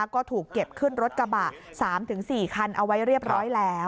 ก็ถูกเก็บขึ้นรถกระบะ๓๔คันเอาไว้เรียบร้อยแล้ว